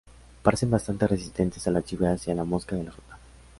Parecen bastante resistentes a las lluvias y a la mosca de la fruta.